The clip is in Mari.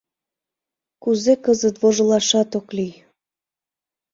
Кузе кызыт вожылашат ок лий...